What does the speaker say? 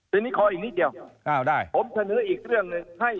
ทีนี้ขออีกนิดเดียวผมเสนออีกเรื่องหนึ่งให้